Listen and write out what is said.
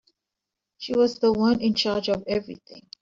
She was the one in charge of everything.